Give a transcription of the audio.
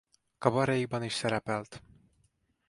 Kabarékban is szerepelt.